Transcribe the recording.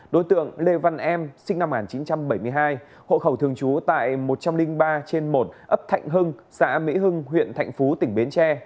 đối tượng lê văn em sinh năm một nghìn chín trăm bảy mươi hai hộ khẩu thường trú tại một trăm linh ba trên một ấp thạnh hưng xã mỹ hưng huyện thạnh phú tỉnh bến tre